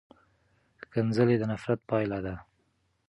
ښکنځلې د نفرت پایله ده.